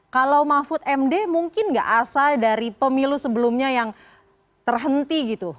kalau mahfud md mungkin nggak asal dari pemilu sebelumnya yang terhenti gitu